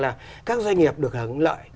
là các doanh nghiệp được hưởng lợi